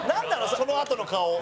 そのあとの顔。